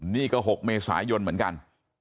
นี่ก็๖เมษายนเหมือนกัน